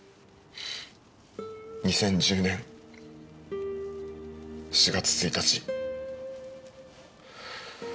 ２０１０年４月１日。